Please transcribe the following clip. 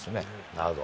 なるほど。